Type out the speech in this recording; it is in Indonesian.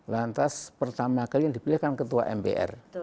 lantas pertama kali yang dipilih kan ketua mpr